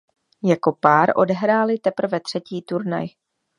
Jako pár odehrály teprve třetí turnaj.